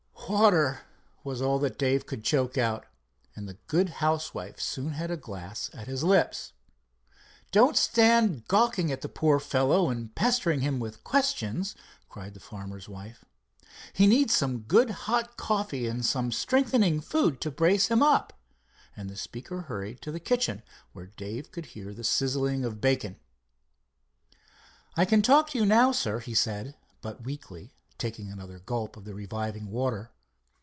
"Water!" was all that Dave could choke out, and the good housewife soon had a glass at his lips. "Don't stand gawking at the poor fellow and pestering him with questions," cried the farmer's wife. "He needs some good hot coffee and some strengthening food to brace him up," and the speaker hurried to the kitchen, where Dave could hear the sizzling of bacon. "I can talk to you now, sir," he said, but weakly, taking another gulp of the reviving water.